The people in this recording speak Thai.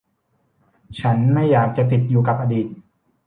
ฉันไม่อยากจะติดอยู่กับอดีต